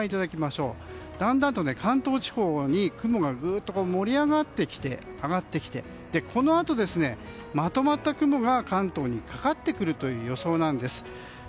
だんだんと関東地方に雲がぐっと盛り上がってきてこのあと、まとまった雲が関東にかかってくるという予想なんです。